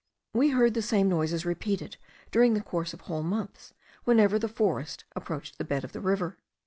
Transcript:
We heard the same noises repeated, during the course of whole months, whenever the forest approached the bed of the river.